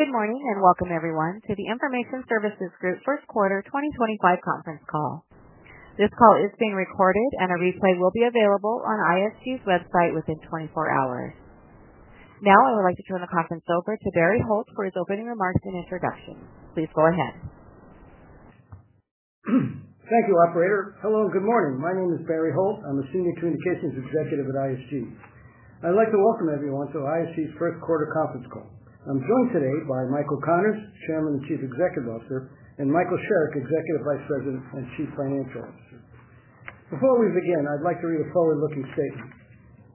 Good morning and welcome, everyone, to the Information Services Group First Quarter 2025 Conference Call. This call is being recorded, and a replay will be available on ISG's website within 24 hours. Now, I would like to turn the conference over to Barry Holt for his opening remarks and introduction. Please go ahead. Thank you, operator. Hello, good morning. My name is Barry Holt. I'm a Senior Communications Executive at ISG. I'd like to welcome everyone to ISG's First Quarter Conference Call. I'm joined today by Michael Connors, Chairman and Chief Executive Officer, and Michael Sherrick, Executive Vice President and Chief Financial Officer. Before we begin, I'd like to read a forward-looking statement.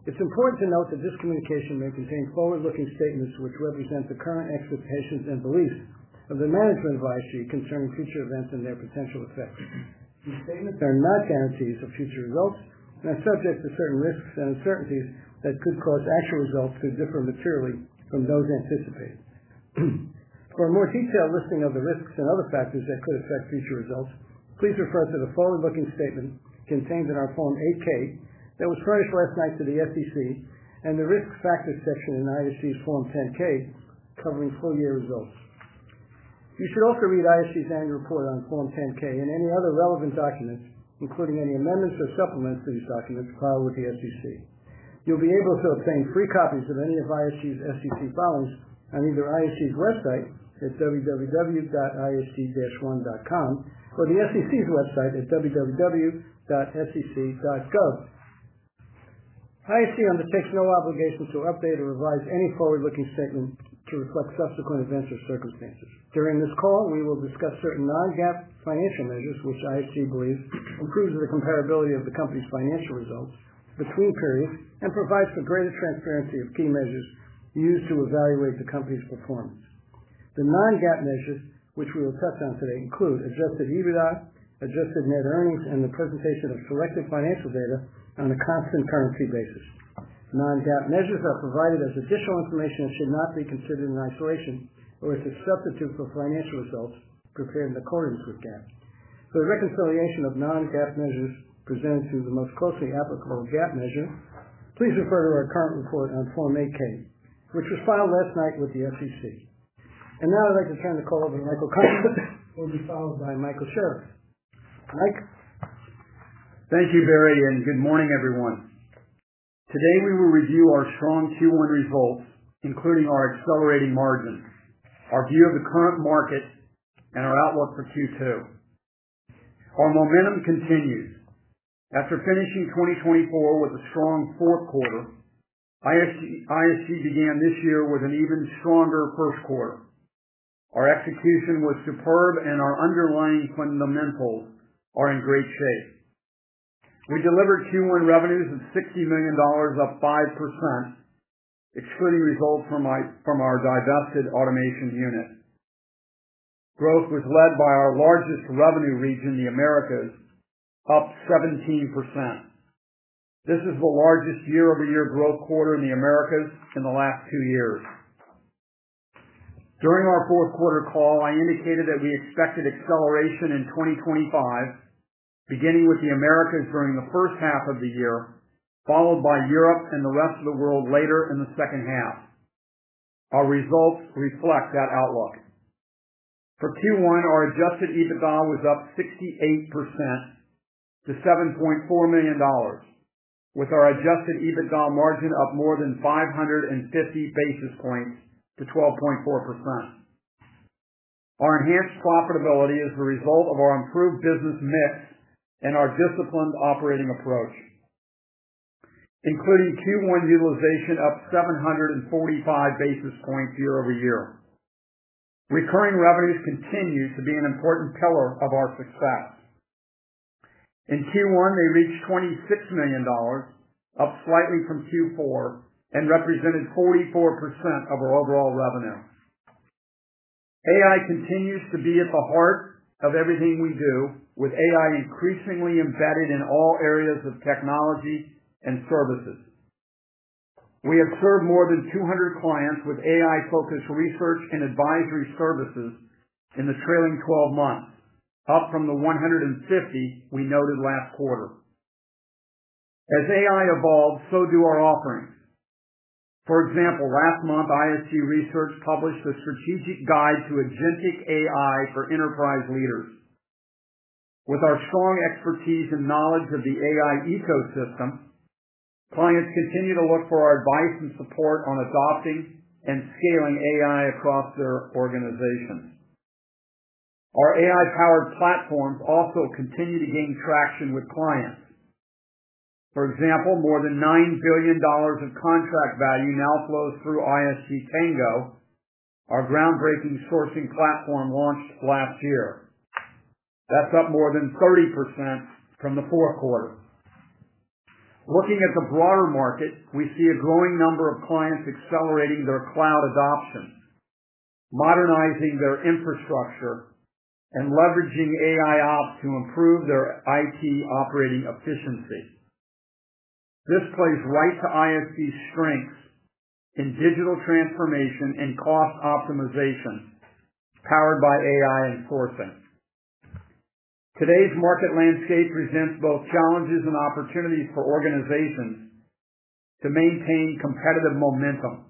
It's important to note that this communication may contain forward-looking statements which represent the current expectations and beliefs of the management of ISG concerning future events and their potential effects. These statements are not guarantees of future results and are subject to certain risks and uncertainties that could cause actual results to differ materially from those anticipated. For a more detailed listing of the risks and other factors that could affect future results, please refer to the forward-looking statement contained in our Form 8-K that was furnished last night to the SEC and the Risk Factors section in ISG's Form 10-K covering full-year results. You should also read ISG's Annual Report on Form 10-K and any other relevant documents, including any amendments or supplements to these documents, filed with the SEC. You'll be able to obtain free copies of any of ISG's SEC filings on either ISG's website at www.isg-one.com or the SEC's website at www.sec.gov. ISG undertakes no obligation to update or revise any forward-looking statement to reflect subsequent events or circumstances. During this call, we will discuss certain non-GAAP financial measures which ISG believes improves the comparability of the company's financial results between periods and provides for greater transparency of key measures used to evaluate the company's performance. The non-GAAP measures which we will touch on today include adjusted EBITDA, adjusted net income, and the presentation of selected financial data on a constant currency basis. Non-GAAP measures are provided as additional information and should not be considered in isolation or as a substitute for financial results prepared in accordance with GAAP. For the reconciliation of non-GAAP measures presented to the most closely applicable GAAP measure, please refer to our current report on Form 8-K which was filed last night with the SEC. Now, I'd like to turn the call over to Michael Connors, who will be followed by Michael Sherrick. Mike. Thank you, Barry, and good morning, everyone. Today, we will review our strong Q1 results, including our accelerating margin, our view of the current market, and our outlook for Q2. Our momentum continues. After finishing 2024 with a strong fourth quarter, ISG began this year with an even stronger first quarter. Our execution was superb, and our underlying fundamentals are in great shape. We delivered Q1 revenues of $60 million, up 5%, excluding results from our divested automation unit. Growth was led by our largest revenue region, the Americas, up 17%. This is the largest year-over-year growth quarter in the Americas in the last two years. During our fourth quarter call, I indicated that we expected acceleration in 2025, beginning with the Americas during the first half of the year, followed by Europe and the rest of the world later in the second half. Our results reflect that outlook. For Q1, our adjusted EBITDA was up 68% to $7.4 million, with our adjusted EBITDA margin up more than 550 basis points to 12.4%. Our enhanced profitability is the result of our improved business mix and our disciplined operating approach, including Q1 utilization up 745 basis points year over year. Recurring revenues continue to be an important pillar of our success. In Q1, they reached $26 million, up slightly from Q4, and represented 44% of our overall revenue. AI continues to be at the heart of everything we do, with AI increasingly embedded in all areas of technology and services. We have served more than 200 clients with AI-focused research and advisory services in the trailing 12 months, up from the 150 we noted last quarter. As AI evolves, so do our offerings. For example, last month, ISG Research published a strategic guide to agentic AI for enterprise leaders. With our strong expertise and knowledge of the AI ecosystem, clients continue to look for our advice and support on adopting and scaling AI across their organizations. Our AI-powered platforms also continue to gain traction with clients. For example, more than $9 billion of contract value now flows through ISG Tango, our groundbreaking sourcing platform launched last year. That's up more than 30% from the fourth quarter. Looking at the broader market, we see a growing number of clients accelerating their cloud adoption, modernizing their infrastructure, and leveraging AIOps to improve their IT operating efficiency. This plays right to ISG's strengths in digital transformation and cost optimization powered by AI and sourcing. Today's market landscape presents both challenges and opportunities for organizations to maintain competitive momentum.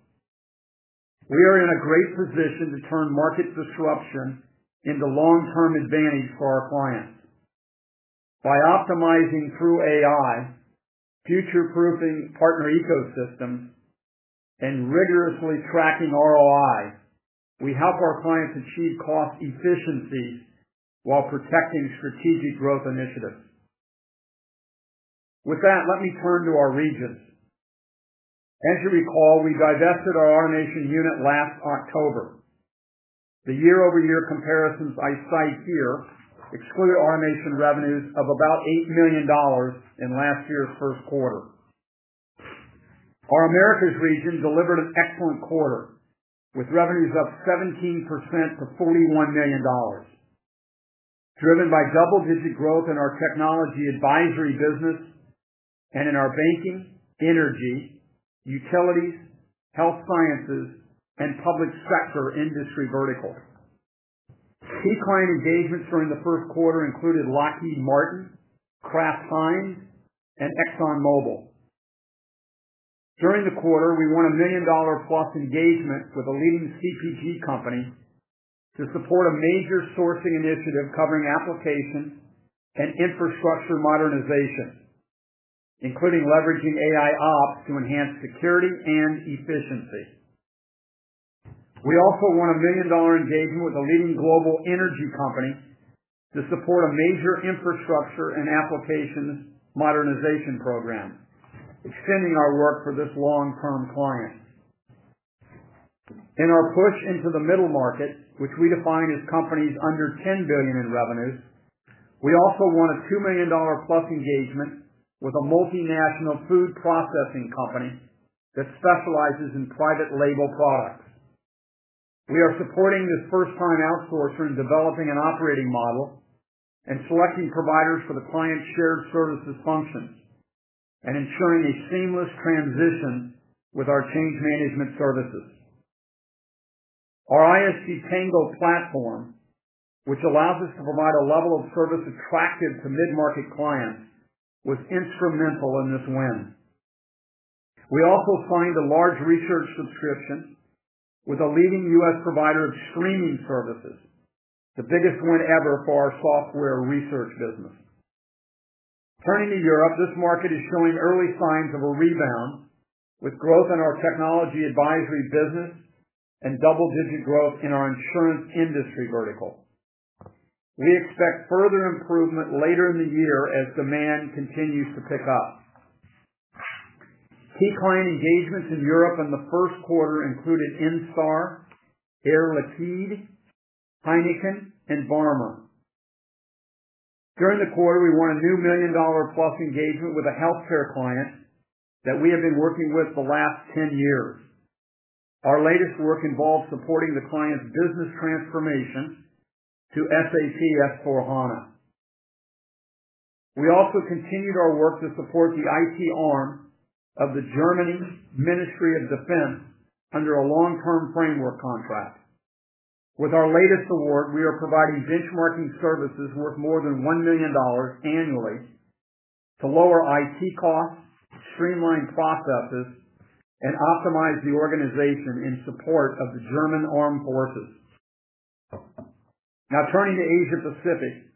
We are in a great position to turn market disruption into long-term advantage for our clients. By optimizing through AI, future-proofing partner ecosystems, and rigorously tracking ROI, we help our clients achieve cost efficiencies while protecting strategic growth initiatives. With that, let me turn to our regions. As you recall, we divested our automation unit last October. The year-over-year comparisons I cite here exclude automation revenues of about $8 million in last year's first quarter. Our Americas region delivered an excellent quarter with revenues up 17% to $41 million, driven by double-digit growth in our technology advisory business and in our banking, energy, utilities, health sciences, and public sector industry verticals. Key client engagements during the first quarter included Lockheed Martin, Kraft Heinz, and Exxon Mobil. During the quarter, we won a million-dollar-plus engagement with a leading CPG company to support a major sourcing initiative covering application and infrastructure modernization, including leveraging AIOps to enhance security and efficiency. We also won a $1 million engagement with a leading global energy company to support a major infrastructure and application modernization program, extending our work for this long-term client. In our push into the middle market, which we define as companies under $10 billion in revenues, we also won a $2 million-plus engagement with a multinational food processing company that specializes in private label products. We are supporting this first-time outsourcer in developing an operating model and selecting providers for the client's shared services functions and ensuring a seamless transition with our change management services. Our ISG Tango platform, which allows us to provide a level of service attractive to mid-market clients, was instrumental in this win. We also signed a large research subscription with a leading U.S. provider of streaming services, the biggest win ever for our software research business. Turning to Europe, this market is showing early signs of a rebound with growth in our technology advisory business and double-digit growth in our insurance industry vertical. We expect further improvement later in the year as demand continues to pick up. Key client engagements in Europe in the first quarter included INSTAR, Air Liquide, Heineken, and BARMER. During the quarter, we won a new million-dollar-plus engagement with a healthcare client that we have been working with the last 10 years. Our latest work involved supporting the client's business transformation to SAP S/4HANA. We also continued our work to support the IT arm of the Germany Ministry of Defense under a long-term framework contract. With our latest award, we are providing benchmarking services worth more than $1 million annually to lower IT costs, streamline processes, and optimize the organization in support of the German armed forces. Now, turning to Asia-Pacific,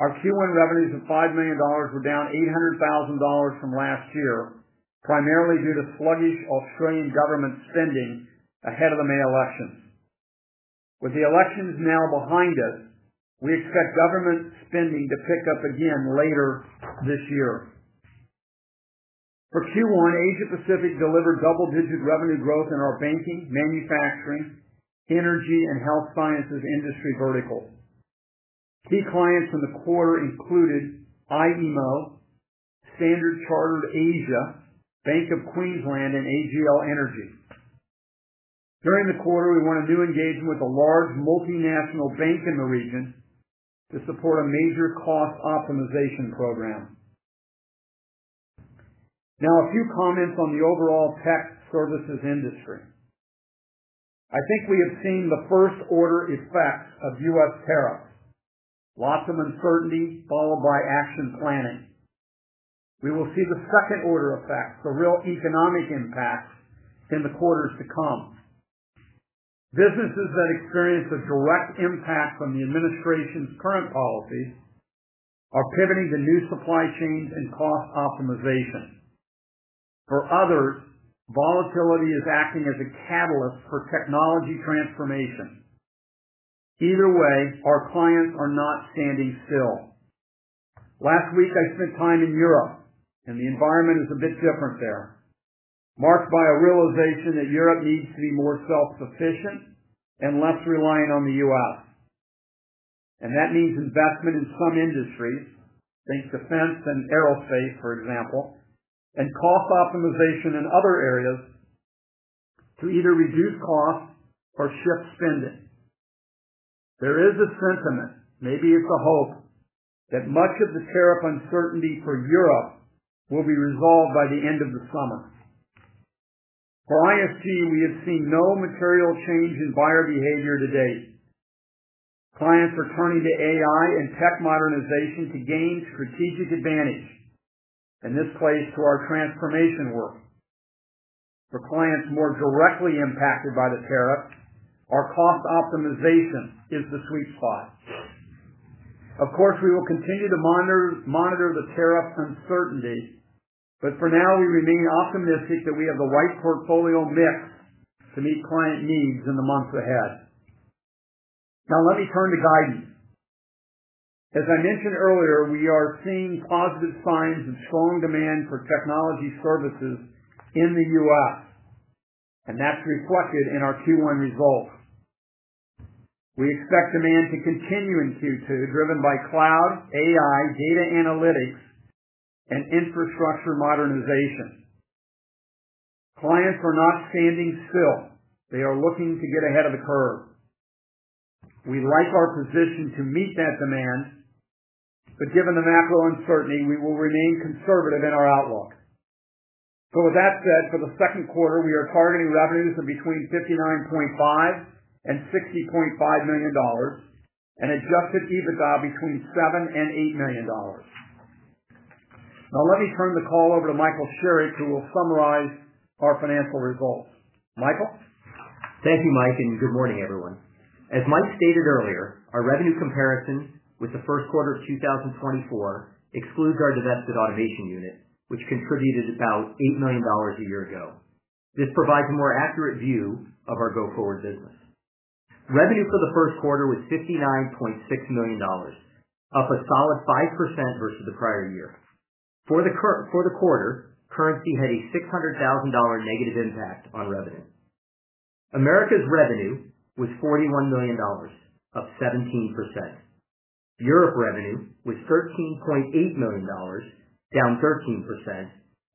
our Q1 revenues of $5 million were down $800,000 from last year, primarily due to sluggish Australian government spending ahead of the May elections. With the elections now behind us, we expect government spending to pick up again later this year. For Q1, Asia-Pacific delivered double-digit revenue growth in our banking, manufacturing, energy, and health sciences industry verticals. Key clients in the quarter included IEMO, Standard Chartered, Bank of Queensland, and AGL Energy. During the quarter, we won a new engagement with a large multinational bank in the region to support a major cost optimization program. Now, a few comments on the overall tech services industry. I think we have seen the first-order effects of U.S. tariffs: lots of uncertainty followed by action planning. We will see the second-order effects, the real economic impacts in the quarters to come. Businesses that experience a direct impact from the administration's current policies are pivoting to new supply chains and cost optimization. For others, volatility is acting as a catalyst for technology transformation. Either way, our clients are not standing still. Last week, I spent time in Europe, and the environment is a bit different there, marked by a realization that Europe needs to be more self-sufficient and less reliant on the U.S. That means investment in some industries, think defense and aerospace, for example, and cost optimization in other areas to either reduce costs or shift spending. There is a sentiment, maybe it's a hope, that much of the tariff uncertainty for Europe will be resolved by the end of the summer. For ISG, we have seen no material change in buyer behavior to date. Clients are turning to AI and tech modernization to gain strategic advantage, and this plays to our transformation work. For clients more directly impacted by the tariffs, our cost optimization is the sweet spot. Of course, we will continue to monitor the tariff uncertainty, but for now, we remain optimistic that we have the right portfolio mix to meet client needs in the months ahead. Now, let me turn to guidance. As I mentioned earlier, we are seeing positive signs of strong demand for technology services in the U.S., and that's reflected in our Q1 results. We expect demand to continue in Q2, driven by cloud, AI, data analytics, and infrastructure modernization. Clients are not standing still. They are looking to get ahead of the curve. We like our position to meet that demand, but given the macro uncertainty, we will remain conservative in our outlook. With that said, for the second quarter, we are targeting revenues of between $59.5 million and $60.5 million and adjusted EBITDA between $7 million and $8 million. Now, let me turn the call over to Michael Sherrick, who will summarize our financial results. Michael? Thank you, Mike, and good morning, everyone. As Mike stated earlier, our revenue comparison with the first quarter of 2024 excludes our divested automation unit, which contributed about $8 million a year ago. This provides a more accurate view of our go-forward business. Revenue for the first quarter was $59.6 million, up a solid 5% versus the prior year. For the quarter, currency had a $600,000 negative impact on revenue. Americas revenue was $41 million, up 17%. Europe revenue was $13.8 million, down 13%,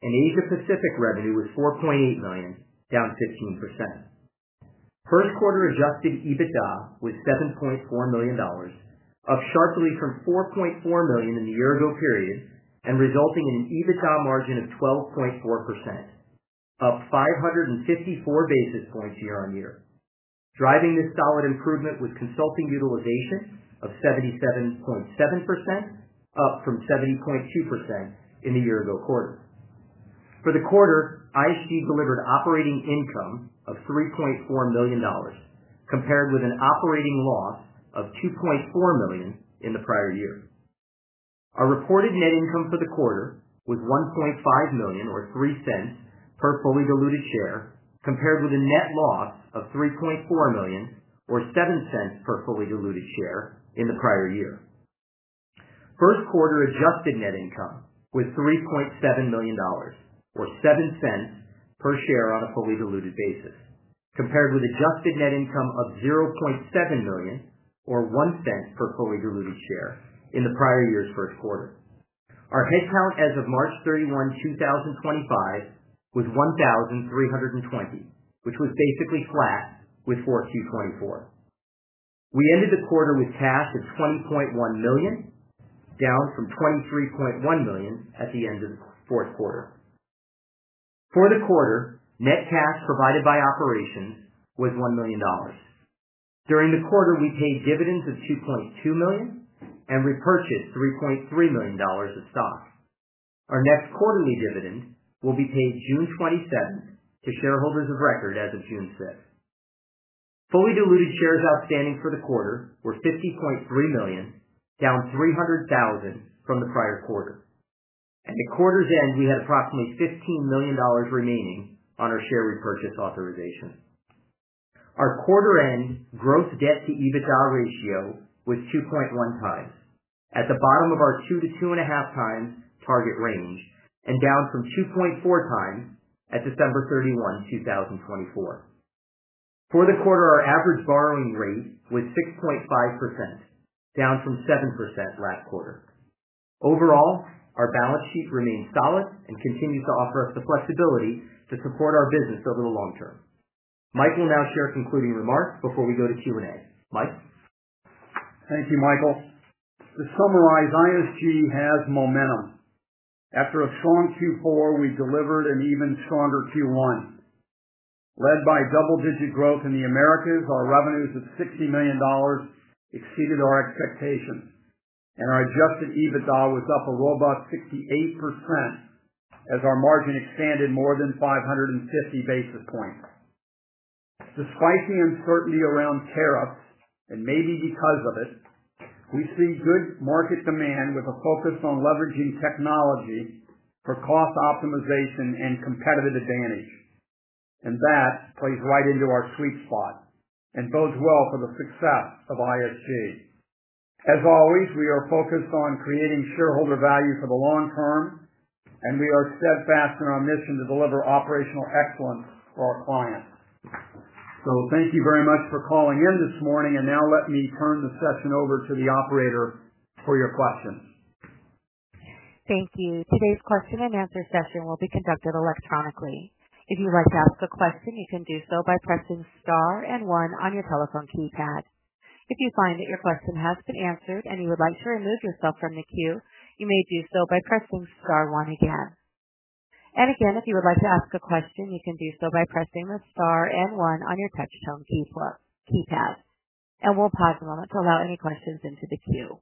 and Asia-Pacific revenue was $4.8 million, down 15%. First quarter adjusted EBITDA was $7.4 million, up sharply from $4.4 million in the year-ago period and resulting in an EBITDA margin of 12.4%, up 554 basis points year on year. Driving this solid improvement was consulting utilization of 77.7%, up from 70.2% in the year-ago quarter. For the quarter, ISG delivered operating income of $3.4 million, compared with an operating loss of $2.4 million in the prior year. Our reported net income for the quarter was $1.5 million, or $0.03 per fully diluted share, compared with a net loss of $3.4 million, or $0.07 per fully diluted share in the prior year. First quarter adjusted net income was $3.7 million, or $0.07 per share on a fully diluted basis, compared with adjusted net income of $0.7 million, or $0.01 per fully diluted share in the prior year's first quarter. Our headcount as of March 31, 2025, was 1,320, which was basically flat with for Q24. We ended the quarter with cash of $20.1 million, down from $23.1 million at the end of the fourth quarter. For the quarter, net cash provided by operations was $1 million. During the quarter, we paid dividends of $2.2 million and repurchased $3.3 million of stock. Our next quarterly dividend will be paid June 27 to shareholders of record as of June 6. Fully diluted shares outstanding for the quarter were 50.3 million, down 300,000 from the prior quarter. At the quarter's end, we had approximately $15 million remaining on our share repurchase authorization. Our quarter-end gross debt-to-EBITDA ratio was 2.1 times, at the bottom of our 2-2.5 times target range and down from 2.4 times at December 31, 2024. For the quarter, our average borrowing rate was 6.5%, down from 7% last quarter. Overall, our balance sheet remains solid and continues to offer us the flexibility to support our business over the long term. Mike will now share concluding remarks before we go to Q&A. Mike? Thank you, Michael. To summarize, ISG has momentum. After a strong Q4, we delivered an even stronger Q1. Led by double-digit growth in the Americas, our revenues of $60 million exceeded our expectations, and our adjusted EBITDA was up a robust 68% as our margin expanded more than 550 basis points. Despite the uncertainty around tariffs, and maybe because of it, we see good market demand with a focus on leveraging technology for cost optimization and competitive advantage. That plays right into our sweet spot and bodes well for the success of ISG. As always, we are focused on creating shareholder value for the long term, and we are steadfast in our mission to deliver operational excellence for our clients. Thank you very much for calling in this morning, and now let me turn the session over to the operator for your questions. Thank you. Today's question and answer session will be conducted electronically. If you'd like to ask a question, you can do so by pressing Star and 1 on your telephone keypad. If you find that your question has been answered and you would like to remove yourself from the queue, you may do so by pressing Star 1 again. If you would like to ask a question, you can do so by pressing the Star and 1 on your touch-tone keypad. We'll pause a moment to allow any questions into the queue.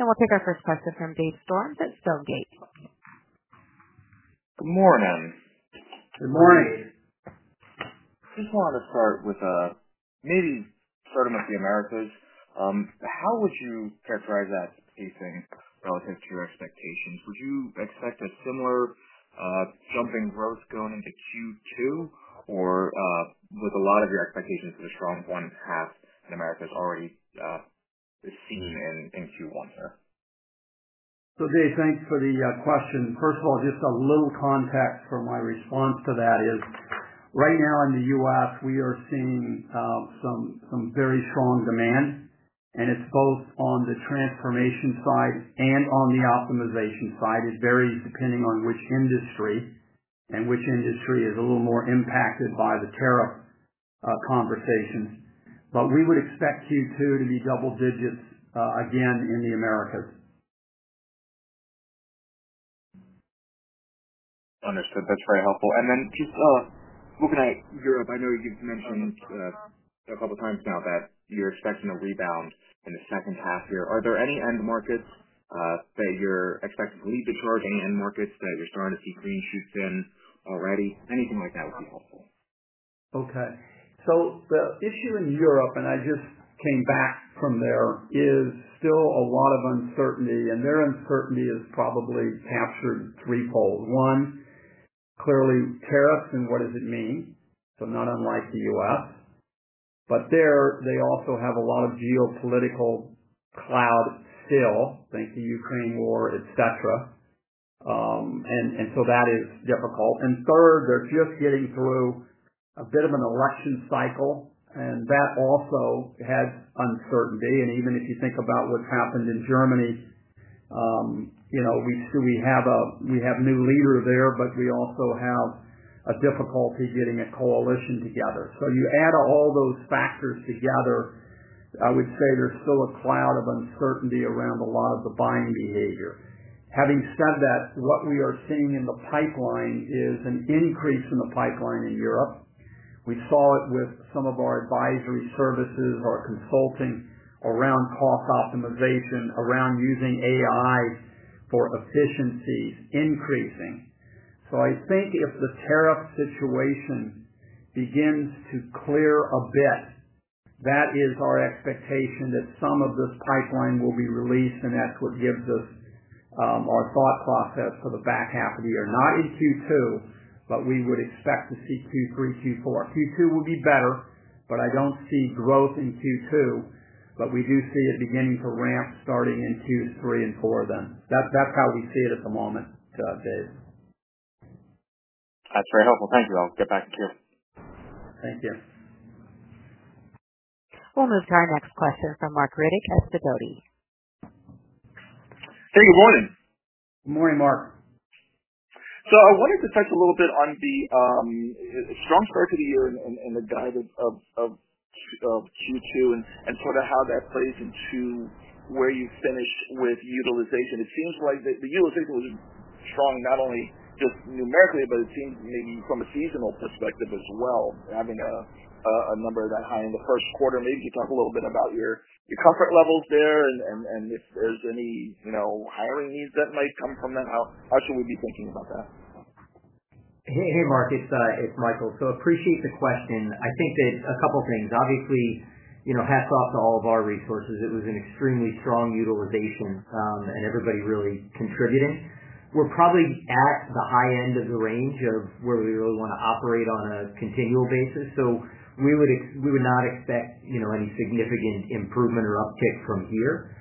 We'll take our first question from Dave Storms at Stonegate. Good morning. Good morning. Just wanted to start with, maybe starting with the Americas, how would you characterize that pace relative to your expectations? Would you expect a similar jump in growth going into Q2, or were a lot of your expectations for the strong one and a half in Americas already seen in Q1 here? Dave, thanks for the question. First of all, just a little context for my response to that is right now in the U.S., we are seeing some very strong demand, and it's both on the transformation side and on the optimization side. It varies depending on which industry and which industry is a little more impacted by the tariff conversations. We would expect Q2 to be double digits again in the Americas. Understood. That's very helpful. Just looking at Europe, I know you've mentioned a couple of times now that you're expecting a rebound in the second half here. Are there any end markets that you're expecting to lead the charge? Any end markets that you're starting to see green shoots in already? Anything like that would be helpful. Okay. The issue in Europe, and I just came back from there, is still a lot of uncertainty, and their uncertainty is probably captured in threefold. One, clearly tariffs and what does it mean? Not unlike the U.S., but there they also have a lot of geopolitical cloud still, think the Ukraine war, etc. That is difficult. Third, they're just getting through a bit of an election cycle, and that also has uncertainty. Even if you think about what's happened in Germany, we have a new leader there, but we also have a difficulty getting a coalition together. You add all those factors together, I would say there's still a cloud of uncertainty around a lot of the buying behavior. Having said that, what we are seeing in the pipeline is an increase in the pipeline in Europe. We saw it with some of our advisory services, our consulting around cost optimization, around using AI for efficiencies increasing. I think if the tariff situation begins to clear a bit, that is our expectation that some of this pipeline will be released, and that is what gives us our thought process for the back half of the year. Not in Q2, but we would expect to see Q3, Q4. Q2 will be better, but I do not see growth in Q2, but we do see it beginning to ramp starting in Q3 and Q4 then. That is how we see it at the moment, Dave. That's very helpful. Thank you. I'll get back to you. Thank you. We'll move to our next question from Marc Riddick at Sidoti. Hey, good morning. Good morning, Mark. I wanted to touch a little bit on the strong start to the year and the guide of Q2 and sort of how that plays into where you finished with utilization. It seems like the utilization was strong, not only just numerically, but it seems maybe from a seasonal perspective as well, having a number that high in the first quarter. Maybe you could talk a little bit about your comfort levels there and if there's any hiring needs that might come from that. How should we be thinking about that? Hey, Mark, it's Michael. So appreciate the question. I think that a couple of things. Obviously, hats off to all of our resources. It was an extremely strong utilization and everybody really contributing. We're probably at the high end of the range of where we really want to operate on a continual basis. We would not expect any significant improvement or uptick from here.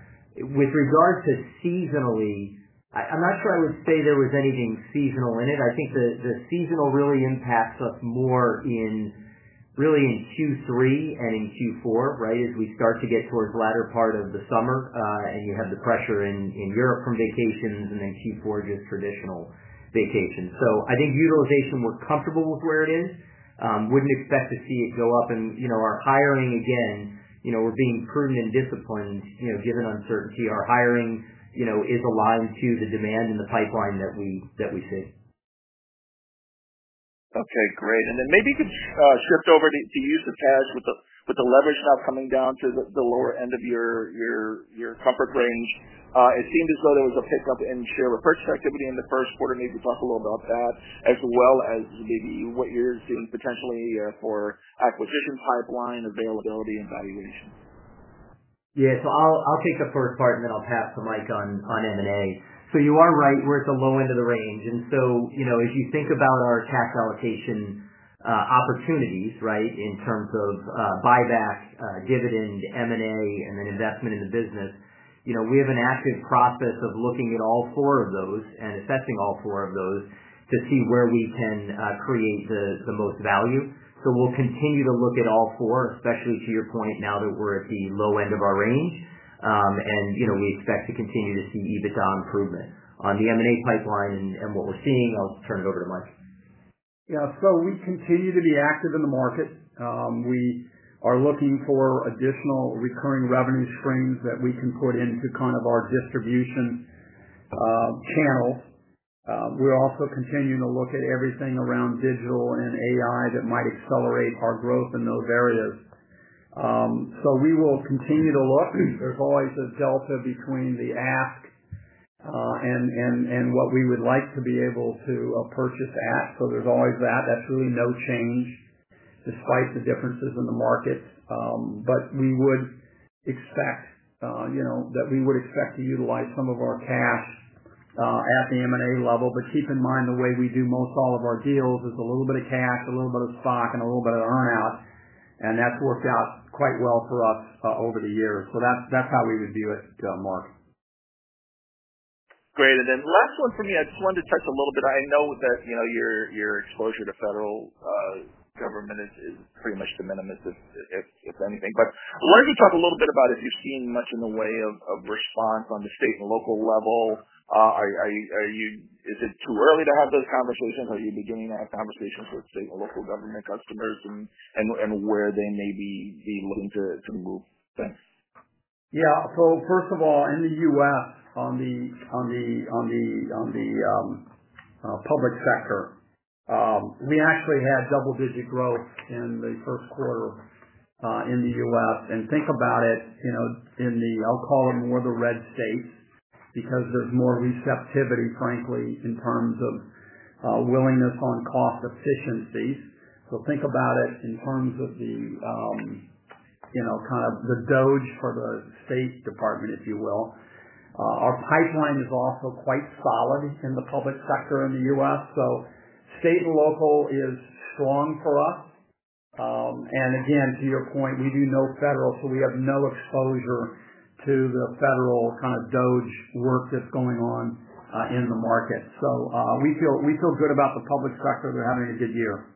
With regard to seasonally, I'm not sure I would say there was anything seasonal in it. I think the seasonal really impacts us more really in Q3 and in Q4, right, as we start to get towards the latter part of the summer and you have the pressure in Europe from vacations and then Q4 just traditional vacations. I think utilization, we're comfortable with where it is. Wouldn't expect to see it go up. Our hiring, again, we're being prudent and disciplined given uncertainty. Our hiring is aligned to the demand and the pipeline that we see. Okay. Great. Maybe you could shift over to use the cash with the leverage now coming down to the lower end of your comfort range. It seemed as though there was a pickup in share repurchase activity in the first quarter. Maybe you could talk a little about that, as well as maybe what you're seeing potentially for acquisition pipeline, availability, and valuation. Yeah. I'll take the first part and then I'll pass the Mike on M&A. You are right. We're at the low end of the range. As you think about our tax allocation opportunities, in terms of buyback, dividend, M&A, and then investment in the business, we have an active process of looking at all four of those and assessing all four of those to see where we can create the most value. We'll continue to look at all four, especially to your point, now that we're at the low end of our range. We expect to continue to see EBITDA improvement on the M&A pipeline and what we're seeing. I'll turn it over to Mike. Yeah. We continue to be active in the market. We are looking for additional recurring revenue streams that we can put into kind of our distribution channels. We're also continuing to look at everything around digital and AI that might accelerate our growth in those areas. We will continue to look. There's always a delta between the ask and what we would like to be able to purchase at. There's always that. That's really no change despite the differences in the markets. We would expect to utilize some of our cash at the M&A level. Keep in mind the way we do most all of our deals is a little bit of cash, a little bit of stock, and a little bit of earnout. That's worked out quite well for us over the years. That's how we would view it, Mark. Great. Last one for me, I just wanted to touch a little bit. I know that your exposure to federal government is pretty much the minimum, if anything. I wanted to talk a little bit about if you've seen much in the way of response on the state and local level. Is it too early to have those conversations? Are you beginning to have conversations with state and local government customers and where they may be looking to move things? Yeah. First of all, in the U.S., on the public sector, we actually had double-digit growth in the first quarter in the U.S. Think about it in the, I'll call it more the red states because there's more receptivity, frankly, in terms of willingness on cost efficiencies. Think about it in terms of kind of the DoD for the State Department, if you will. Our pipeline is also quite solid in the public sector in the U.S. State and local is strong for us. Again, to your point, we do no federal, so we have no exposure to the federal kind of DoD work that's going on in the market. We feel good about the public sector. They're having a good year.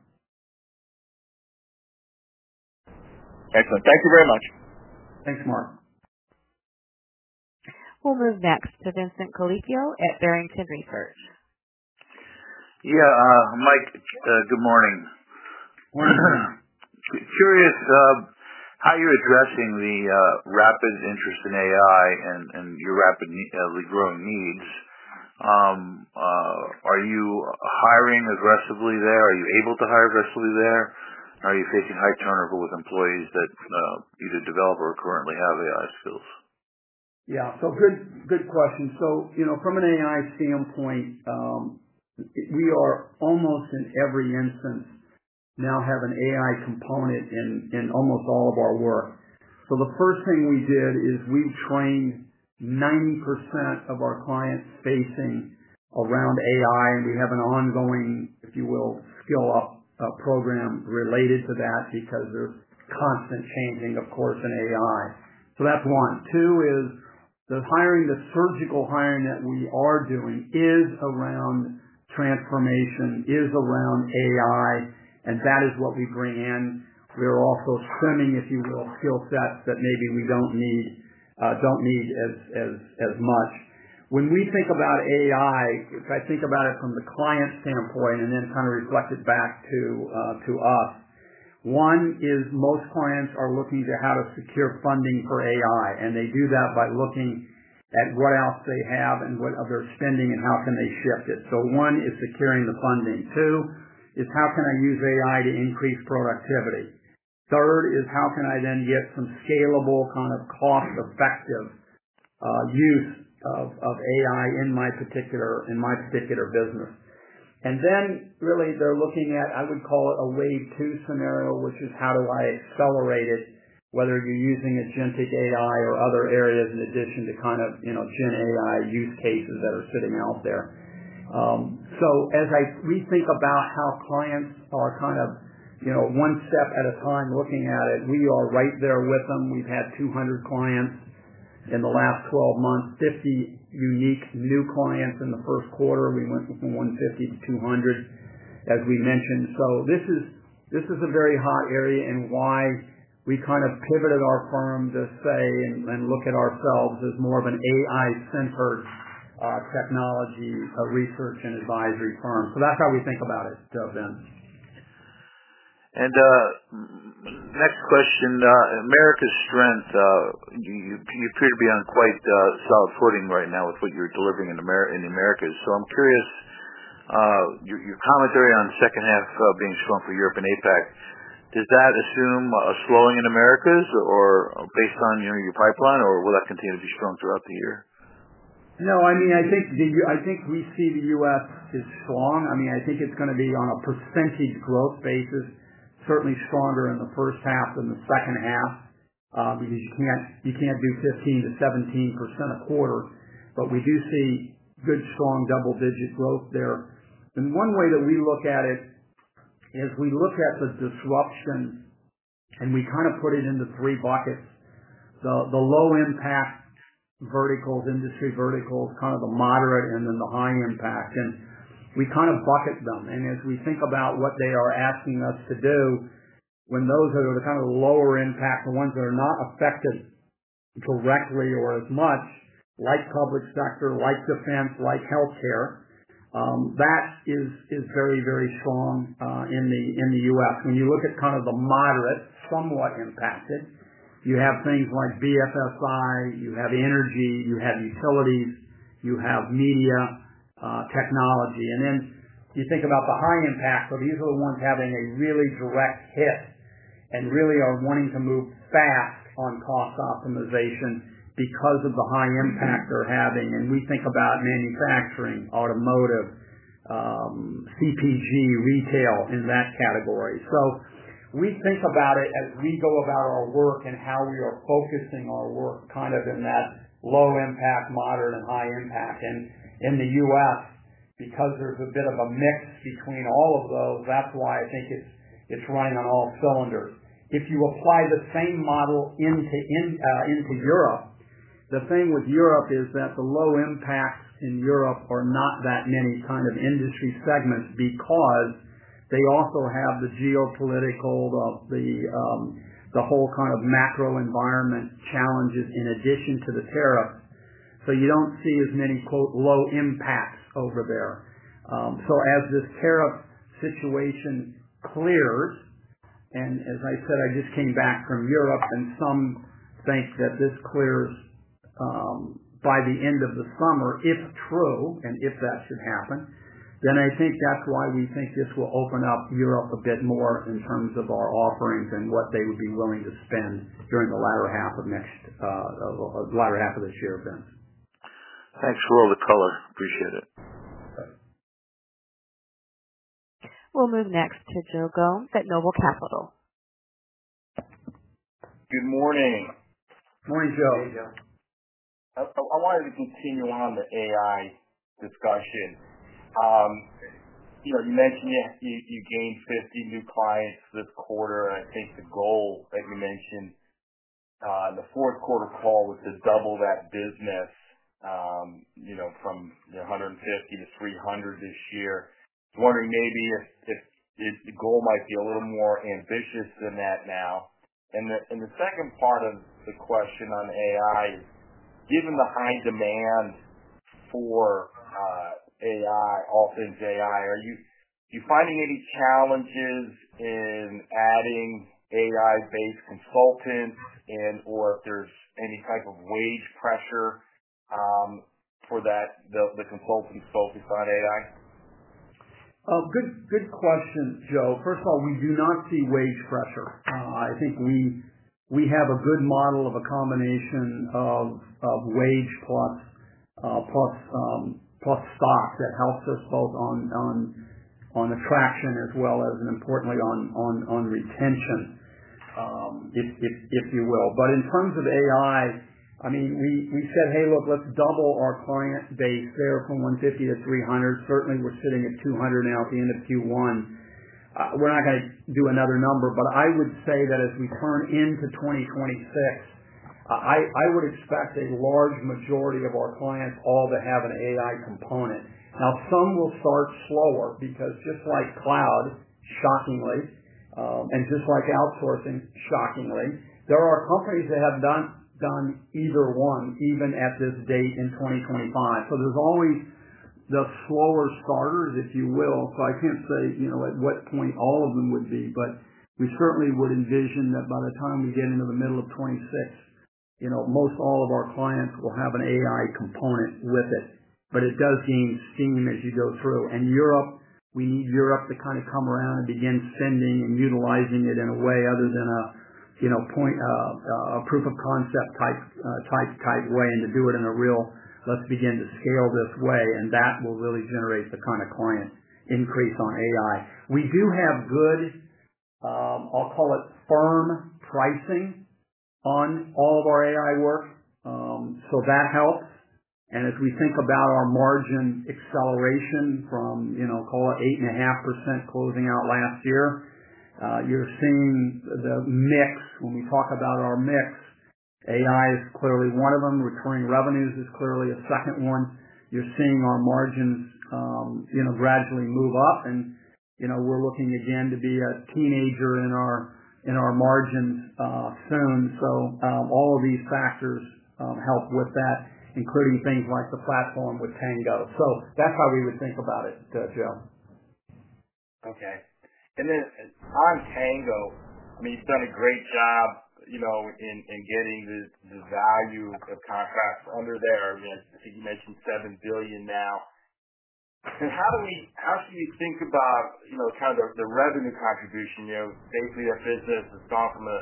Excellent. Thank you very much. Thanks, Mark. We'll move next to Vincent Colicchio at Barrington Research. Yeah. Mike, good morning. Morning. Curious how you're addressing the rapid interest in AI and your rapidly growing needs. Are you hiring aggressively there? Are you able to hire aggressively there? Are you facing high turnover with employees that either develop or currently have AI skills? Yeah. Good question. From an AI standpoint, we are almost in every instance now have an AI component in almost all of our work. The first thing we did is we trained 90% of our client-facing around AI. We have an ongoing, if you will, skill-up program related to that because there is constant changing, of course, in AI. That is one. Two is the surgical hiring that we are doing is around transformation, is around AI, and that is what we bring in. We are also trimming, if you will, skill sets that maybe we do not need as much. When we think about AI, if I think about it from the client standpoint and then kind of reflect it back to us, one is most clients are looking to how to secure funding for AI. They do that by looking at what else they have and what other spending and how can they shift it. One is securing the funding. Two is how can I use AI to increase productivity? Third is how can I then get some scalable kind of cost-effective use of AI in my particular business? They are really looking at, I would call it a wave two scenario, which is how do I accelerate it, whether you are using agentic AI or other areas in addition to kind of gen AI use cases that are sitting out there. As I rethink about how clients are kind of one step at a time looking at it, we are right there with them. We have had 200 clients in the last 12 months, 50 unique new clients in the first quarter. We went from 150 to 200, as we mentioned. This is a very hot area and why we kind of pivoted our firm to say and look at ourselves as more of an AI-centered technology research and advisory firm. That is how we think about it, Vince. Next question, America's strength. You appear to be on quite solid footing right now with what you're delivering in the Americas. I'm curious, your commentary on second half being strong for Europe and APAC, does that assume a slowing in the Americas based on your pipeline, or will that continue to be strong throughout the year? No. I mean, I think we see the U.S. is strong. I mean, I think it's going to be on a percentage growth basis, certainly stronger in the first half than the second half because you can't do 15%-17% a quarter. We do see good, strong double-digit growth there. One way that we look at it is we look at the disruption and we kind of put it into three buckets: the low-impact verticals, industry verticals, kind of the moderate, and then the high-impact. We kind of bucket them. As we think about what they are asking us to do, when those are the kind of lower-impact, the ones that are not affected directly or as much, like public sector, like defense, like healthcare, that is very, very strong in the U.S.. When you look at kind of the moderate, somewhat impacted, you have things like BFSI, you have energy, you have utilities, you have media technology. Then you think about the high-impact, so these are the ones having a really direct hit and really are wanting to move fast on cost optimization because of the high impact they're having. We think about manufacturing, automotive, CPG, retail in that category. We think about it as we go about our work and how we are focusing our work kind of in that low-impact, moderate, and high-impact. In the U.S., because there's a bit of a mix between all of those, that's why I think it's running on all cylinders. If you apply the same model into Europe, the thing with Europe is that the low impact in Europe are not that many kind of industry segments because they also have the geopolitical, the whole kind of macro environment challenges in addition to the tariffs. You do not see as many "low impacts" over there. As this tariff situation clears, and as I said, I just came back from Europe, and some think that this clears by the end of the summer, if true, and if that should happen, then I think that is why we think this will open up Europe a bit more in terms of our offerings and what they would be willing to spend during the latter half of this year, Vince. Thanks for all the color. Appreciate it. We'll move next to Joe Gomes at Noble Capital. Good morning. Morning, Joe. Hey, Joe. I wanted to continue on the AI discussion. You mentioned you gained 50 new clients this quarter. I think the goal that you mentioned in the fourth quarter call was to double that business from 150 to 300 this year. I was wondering maybe if the goal might be a little more ambitious than that now. The second part of the question on AI is, given the high demand for AI, all things AI, are you finding any challenges in adding AI-based consultants and/or if there's any type of wage pressure for the consultants focused on AI? Good question, Joe. First of all, we do not see wage pressure. I think we have a good model of a combination of wage plus stock that helps us both on attraction as well as, importantly, on retention, if you will. In terms of AI, I mean, we said, "Hey, look, let's double our client base there from 150 to 300." Certainly, we're sitting at 200 now at the end of Q1. We're not going to do another number. I would say that as we turn into 2026, I would expect a large majority of our clients all to have an AI component. Now, some will start slower because just like cloud, shockingly, and just like outsourcing, shockingly, there are companies that have not done either one even at this date in 2025. There are always the slower starters, if you will. I can't say at what point all of them would be. We certainly would envision that by the time we get into the middle of 2026, most all of our clients will have an AI component with it. It does gain steam as you go through. Europe, we need Europe to kind of come around and begin spending and utilizing it in a way other than a proof of concept type way and to do it in a real, "Let's begin to scale this way." That will really generate the kind of client increase on AI. We do have good, I'll call it firm pricing on all of our AI work. That helps. As we think about our margin acceleration from, call it 8.5% closing out last year, you're seeing the mix. When we talk about our mix, AI is clearly one of them. Recurring revenues is clearly a second one. You are seeing our margins gradually move up. We are looking again to be a teenager in our margins soon. All of these factors help with that, including things like the platform with Tango. That is how we would think about it, Joe. Okay. On Tango, I mean, you've done a great job in getting the value of contracts under there. I think you mentioned $7 billion now. How should we think about kind of the revenue contribution? Basically, our business has gone from a,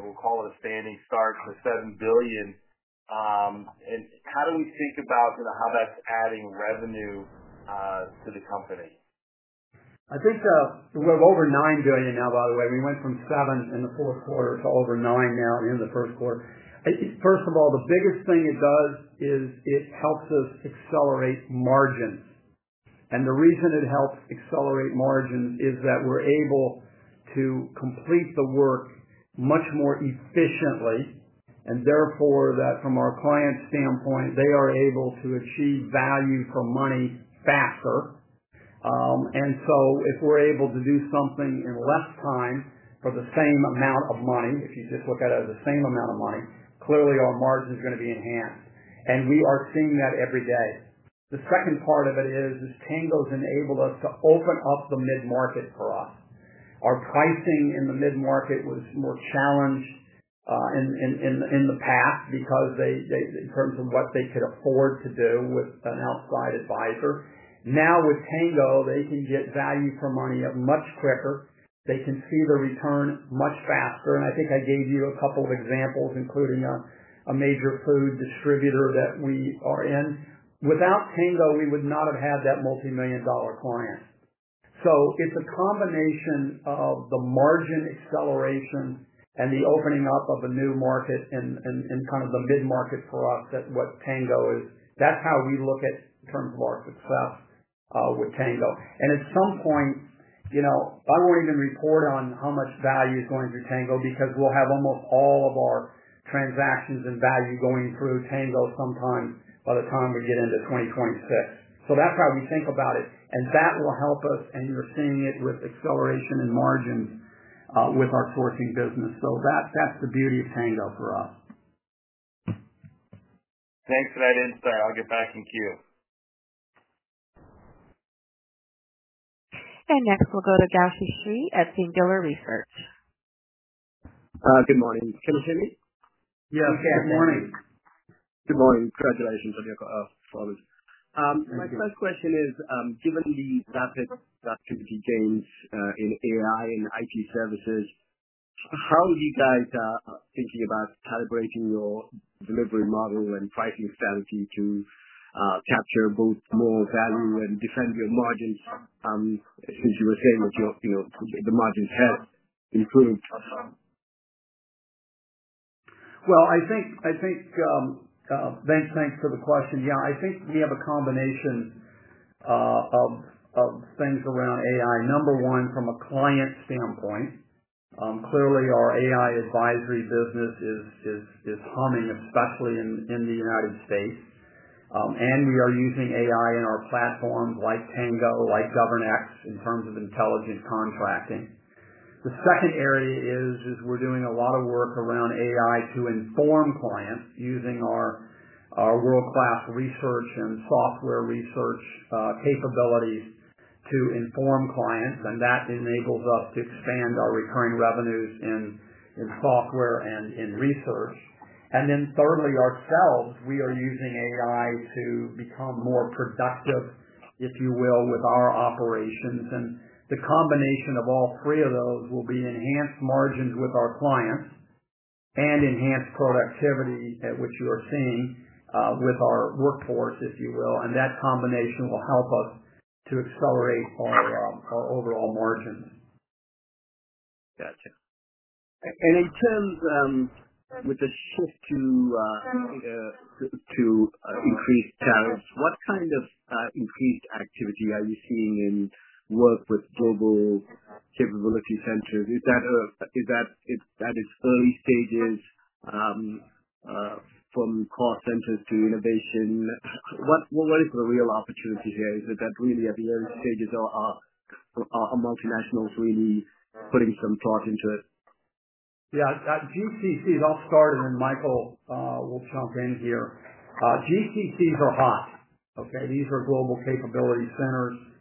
we'll call it a standing start to $7 billion. How do we think about how that's adding revenue to the company? I think we're over $9 billion now, by the way. We went from $7 billion in the fourth quarter to over $9 billion now in the first quarter. First of all, the biggest thing it does is it helps us accelerate margins. The reason it helps accelerate margins is that we're able to complete the work much more efficiently. Therefore, from our client standpoint, they are able to achieve value for money faster. If we're able to do something in less time for the same amount of money, if you just look at it as the same amount of money, clearly our margin is going to be enhanced. We are seeing that every day. The second part of it is Tango has enabled us to open up the mid-market for us. Our pricing in the mid-market was more challenged in the past because in terms of what they could afford to do with an outside advisor. Now with Tango, they can get value for money much quicker. They can see the return much faster. I think I gave you a couple of examples, including a major food distributor that we are in. Without Tango, we would not have had that multi-million dollar client. It is a combination of the margin acceleration and the opening up of a new market and kind of the mid-market for us at what Tango is. That is how we look at in terms of our success with Tango. At some point, I will not even report on how much value is going through Tango because we will have almost all of our transactions and value going through Tango sometime by the time we get into 2026. That's how we think about it. That will help us. You're seeing it with acceleration in margins with our sourcing business. That's the beauty of Tango for us. Thanks for that insight. I'll get back in queue. Next, we'll go to Gowshihan at Singular Research. Good morning. Can you hear me? Yes. Good morning. Good morning. Congratulations on your call. My first question is, given the rapid activity gains in AI and IT services, how are you guys thinking about calibrating your delivery model and pricing strategy to capture both more value and defend your margins since you were saying that the margins have improved? I think thanks for the question. Yeah. I think we have a combination of things around AI. Number one, from a client standpoint, clearly our AI advisory business is humming, especially in the United States. We are using AI in our platforms like Tango, like GovernX in terms of intelligent contracting. The second area is we're doing a lot of work around AI to inform clients using our world-class research and software research capabilities to inform clients. That enables us to expand our recurring revenues in software and in research. Thirdly, ourselves, we are using AI to become more productive, if you will, with our operations. The combination of all three of those will be enhanced margins with our clients and enhanced productivity, which you are seeing with our workforce, if you will. That combination will help us to accelerate our overall margins. Gotcha. In terms with the shift to increased tariffs, what kind of increased activity are you seeing in work with global capability centers? Is that at its early stages from call centers to innovation? What is the real opportunity here? Is it that really at the early stages are multinationals really putting some thought into it? Yeah. GCCs I'll start, and then Michael will jump in here. GCCs are hot. Okay? These are global capability centers.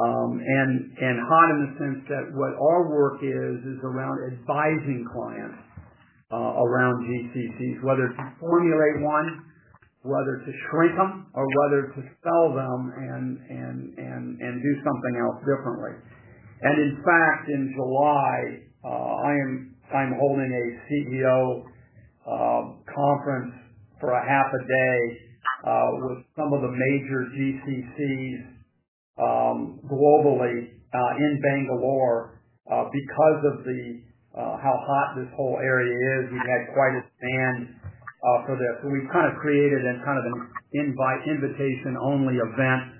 Hot in the sense that what our work is, is around advising clients around GCCs, whether to formulate one, whether to shrink them, or whether to sell them and do something else differently. In fact, in July, I'm holding a CEO conference for half a day with some of the major GCCs globally in Bangalore because of how hot this whole area is. We've had quite a demand for this. We've kind of created an invitation-only event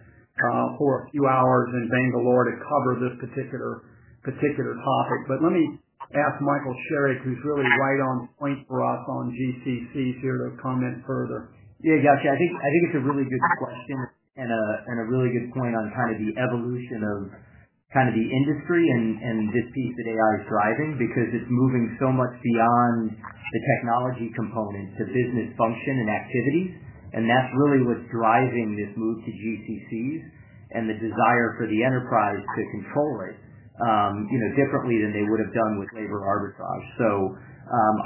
for a few hours in Bangalore to cover this particular topic. Let me ask Michael Sherrick, who's really right on point for us on GCCs, here to comment further. Yeah, Gowshi, I think it's a really good question and a really good point on kind of the evolution of kind of the industry and this piece that AI is driving because it's moving so much beyond the technology component to business function and activity. That's really what's driving this move to GCCs and the desire for the enterprise to control it differently than they would have done with labor arbitrage.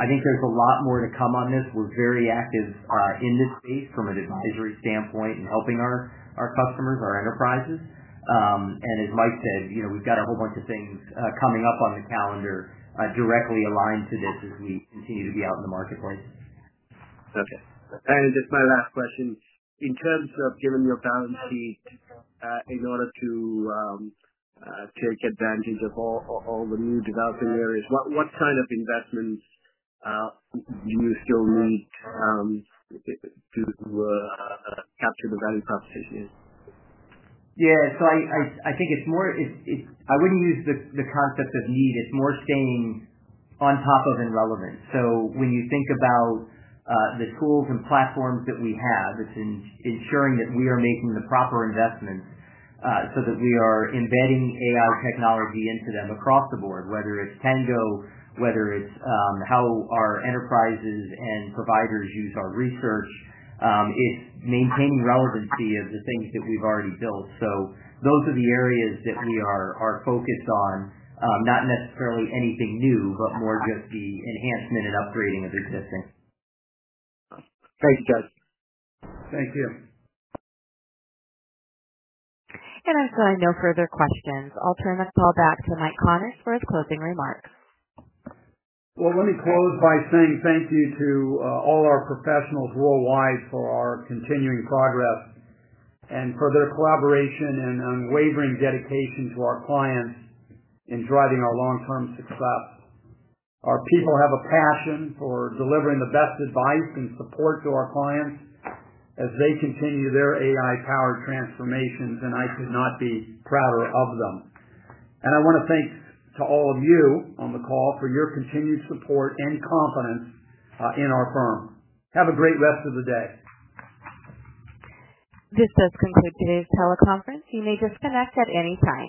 I think there's a lot more to come on this. We're very active in this space from an advisory standpoint and helping our customers, our enterprises. As Mike said, we've got a whole bunch of things coming up on the calendar directly aligned to this as we continue to be out in the marketplace. Gotcha. Just my last question. In terms of giving your balance sheet in order to take advantage of all the new developing areas, what kind of investments do you still need to capture the value proposition in? Yeah. I think it's more I wouldn't use the concept of need. It's more staying on top of and relevant. When you think about the tools and platforms that we have, it's ensuring that we are making the proper investments so that we are embedding AI technology into them across the board, whether it's Tango, whether it's how our enterprises and providers use our research, it's maintaining relevancy of the things that we've already built. Those are the areas that we are focused on, not necessarily anything new, but more just the enhancement and upgrading of existing. Thank you, guys. Thank you. As I know further questions, I'll turn the call back to Mike Connors for his closing remarks. Thank you to all our professionals worldwide for our continuing progress and for their collaboration and unwavering dedication to our clients in driving our long-term success. Our people have a passion for delivering the best advice and support to our clients as they continue their AI-powered transformations, and I could not be prouder of them. I want to thank all of you on the call for your continued support and confidence in our firm. Have a great rest of the day. This does conclude today's teleconference. You may disconnect at any time.